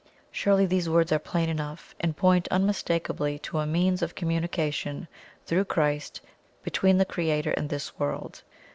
Surely these words are plain enough, and point unmistakably to a MEANS OF COMMUNICATION through Christ between the Creator and this world.